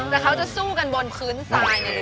แล้วเค้าจะสู้กันบนพื้นซ้าย